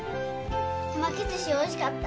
手巻き寿司おいしかった。